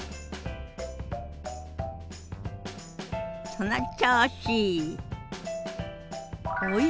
その調子！